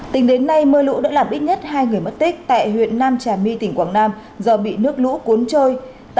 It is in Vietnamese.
tính đến nay mưa lũ đã làm ít nhất hai người mất tích tại huyện nam trà my tỉnh quảng nam do bị nước lũ cuốn trôi